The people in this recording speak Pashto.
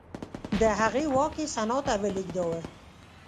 د هغې واک یې سنا ته ولېږداوه